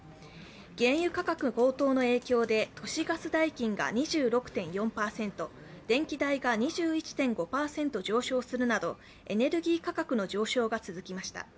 原油価格高騰の影響で都市ガス代金が２６．４％、電気代が２１．５％上昇するなどエネルギー価格の上昇が続きました。